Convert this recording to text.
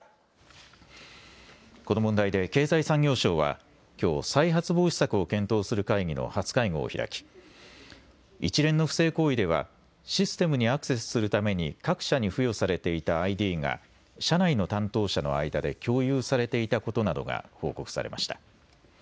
この問題で経済産業省はきょう再発防止策を検討する会議の初会合を開き一連の不正行為ではシステムにアクセスするために各社に付与されていたＩＤが社内の担当者の間で共有されていたことなどが報告されました。